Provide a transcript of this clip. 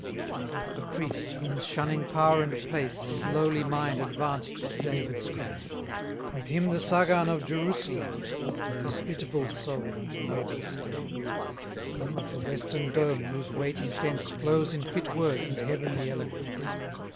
Zadoc the priest, whom, shunning power and place, His lowly mind advanced to David's grace. With him the Sagan of Jerusalem, Of hospitable soul, and noble stem; Him of the western dome, whose weighty sense Flows in fit words and heavenly eloquence.